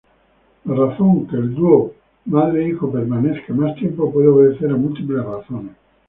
La razón que el dúo madre-hijo permanezca más tiempo puede obedecer a múltiples razones.